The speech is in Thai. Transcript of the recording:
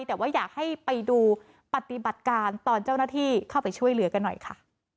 แต่ว่าอยากให้ไปดูปฏิบัติการตอนเจ้าหน้าที่เข้าไปช่วยเหลือกันหน่อยค่ะ